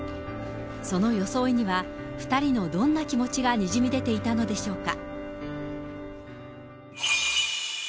その装いには、２人のどんな気持ちがにじみ出ていたのでしょうか。